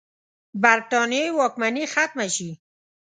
برټانیې واکمني ختمه شي.